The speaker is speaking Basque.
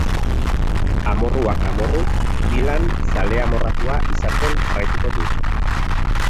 Amorruak amorru, Dylan zale amorratua izaten jarraituko dut.